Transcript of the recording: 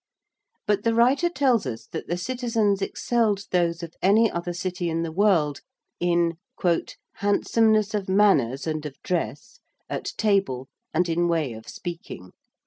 But the writer tells us that the citizens excelled those of any other city in the world in 'handsomeness of manners and of dress, at table, and in way of speaking.'